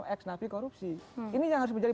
ex nafi korupsi ini yang harus menjadi